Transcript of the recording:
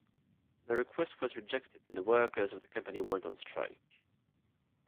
The request was rejected and the workers of the company went on strike.